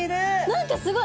何かすごい！